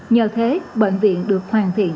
nhờ thế bệnh viện được hoàn thiện